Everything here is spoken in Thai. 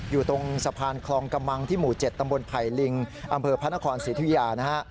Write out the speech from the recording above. อยู่ตรงสะพานคลองกระมังที่หมู่๗ตำบลไผ่ลิงอำเภอพระนครศรีธุยานะฮะ